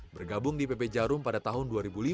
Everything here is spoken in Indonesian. bergabung di pp jarum pada tahun dua ribu lima